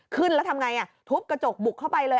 แล้วทำไงทุบกระจกบุกเข้าไปเลย